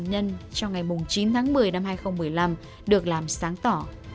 nhân trong ngày chín tháng một mươi năm hai nghìn một mươi năm được làm sáng tỏ